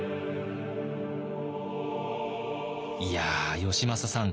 いや義政さん